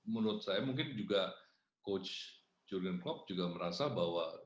menurut saya mungkin juga coach jurgen klopp juga merasa bahwa